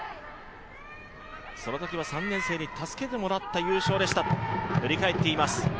そのときは３年生に助けてもらった優勝でしたと振り返っています。